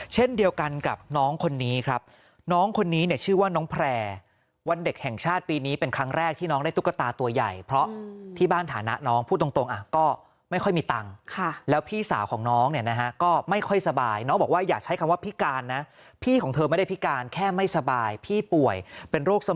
เช่นเดียวกันกับน้องคนนี้ครับน้องคนนี้เนี่ยชื่อว่าน้องแพร่วันเด็กแห่งชาติปีนี้เป็นครั้งแรกที่น้องได้ตุ๊กตาตัวใหญ่เพราะที่บ้านฐานะน้องพูดตรงอ่ะก็ไม่ค่อยมีตังค์แล้วพี่สาวของน้องเนี่ยนะฮะก็ไม่ค่อยสบายน้องบอกว่าอย่าใช้คำว่าพิการนะพี่ของเธอไม่ได้พิการแค่ไม่สบายพี่ป่วยเป็นโรคส